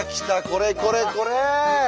これこれこれ！